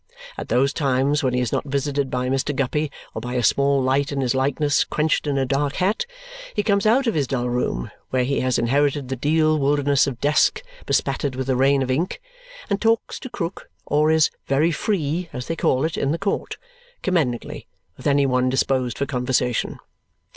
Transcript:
At those times, when he is not visited by Mr. Guppy or by a small light in his likeness quenched in a dark hat, he comes out of his dull room where he has inherited the deal wilderness of desk bespattered with a rain of ink and talks to Krook or is "very free," as they call it in the court, commendingly, with any one disposed for conversation.